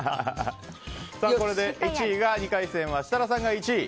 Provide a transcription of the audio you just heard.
これで１位が２回戦は設楽さんが１位。